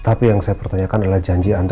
tapi yang saya pertanyakan adalah janji anda